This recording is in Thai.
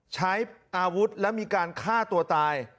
ใช้อาวุธและมีการฆ่าตัวตาย